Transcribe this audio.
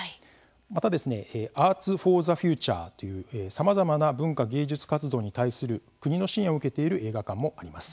またＡＲＴＳｆｏｒｔｈｅｆｕｔｕｒｅ！というさまざまな文化芸術活動に対する国の支援を受けている映画館もあります。